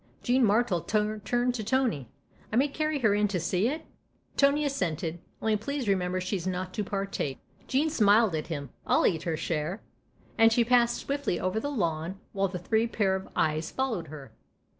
Jean Martle turned to Tony. " I may carry her in to see it ?" Tony assented. " Only please remember she's not to partake." Jean smiled at him. " I'll eat her share !" And she passed swiftly over the lawn while the three pair of eyes followed her.